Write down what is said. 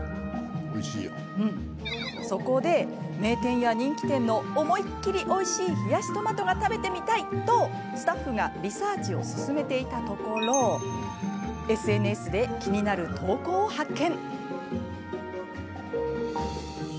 そこで、名店や人気店の思いっきりおいしい冷やしトマトが食べてみたい！とスタッフがリサーチを進めていたところＳＮＳで気になる投稿を発見。